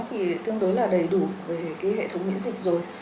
thì tương đối là đầy đủ về cái hệ thống miễn dịch rồi